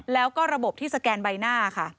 แล้วก็ระบบที่สแกนใบหน้าค่ะ